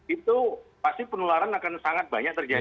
itu pasti penularan akan sangat banyak terjadi